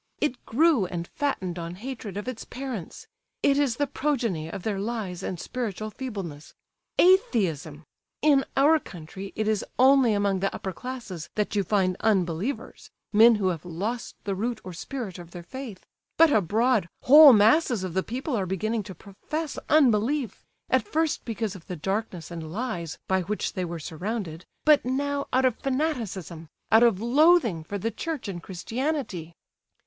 It grew and fattened on hatred of its parents; it is the progeny of their lies and spiritual feebleness. Atheism! In our country it is only among the upper classes that you find unbelievers; men who have lost the root or spirit of their faith; but abroad whole masses of the people are beginning to profess unbelief—at first because of the darkness and lies by which they were surrounded; but now out of fanaticism, out of loathing for the Church and Christianity!"